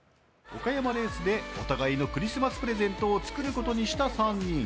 岡山レースでお互いのクリスマスプレゼントを作ることにした３人。